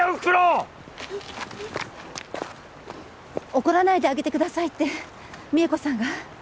怒らないであげてくださいって美恵子さんが。